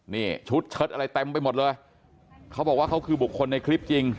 นี่ชุดเชิดอะไรเต็มไปหมดเลยเขาบอกว่าเขาคือบุคคลในคลิปจริง